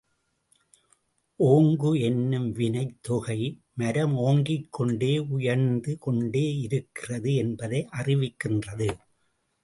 ஓங்கு என்னும் வினைத் தொகை, மரம் ஓங்கிக் கொண்டே உயர்ந்து கொண்டே இருக்கிறது என்பதை அறிவிக்கின்றது.